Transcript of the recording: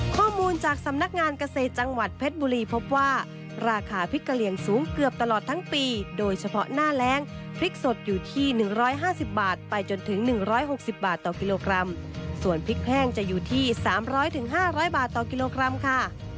ข้อมูลจากสำนักงานเกษตรจังหวัดเพชรบุรีพบว่าราคาพริกกะเหลี่ยงสูงเกือบตลอดทั้งปีโดยเฉพาะหน้าแรงพริกสดอยู่ที่๑๕๐บาทไปจนถึง๑๖๐บาทต่อกิโลกรัมส่วนพริกแห้งจะอยู่ที่๓๐๐๕๐๐บาทต่อกิโลกรัมค่ะ